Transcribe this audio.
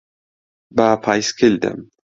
بە پایسکل دێم.